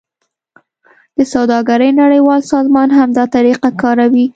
د سوداګرۍ نړیوال سازمان هم دا طریقه کاروي